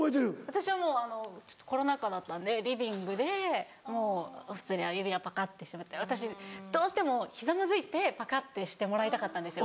私はもうあのコロナ禍だったんでリビングでもう普通に指輪パカってしてもらって私どうしてもひざまずいてパカってしてもらいたかったんですよ。